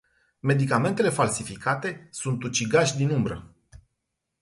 Medicamentele falsificate sunt ucigași din umbră.